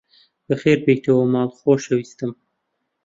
بەخێربێیتەوە ماڵ، خۆشەویستم!